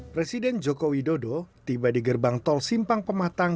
presiden joko widodo tiba di gerbang tol simpang pematang